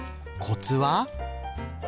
コツは？